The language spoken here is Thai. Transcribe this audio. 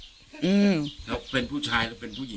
อืมแล้วเป็นผู้ชายหรือเป็นผู้หญิง